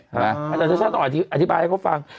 อาจารย์ชาติชาติต้องอธิบายให้เขาฟัง